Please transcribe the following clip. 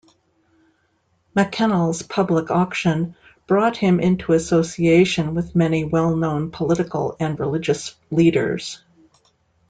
Mackennal's public action brought him into association with many well-known political and religious leaders.